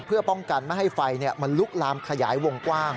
เพื่อป้องกันไม่ให้ไฟมันลุกลามขยายวงกว้าง